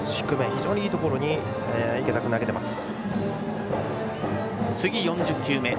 非常にいいところに池田君は投げています。